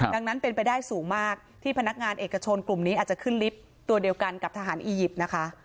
ดังนั้นเป็นไปได้สูงมากที่พนักงานเอกชนกลุ่มนี้อาจจะขึ้นลิฟต์ตัวเดียวกันกับทหารอียิปต์นะคะ